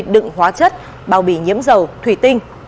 đựng hóa chất bao bì nhiễm dầu thủy tinh